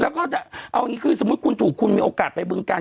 แล้วก็ทั้งคู่คุณถูกคุณคือคุณมีโอกาสไปบังกัน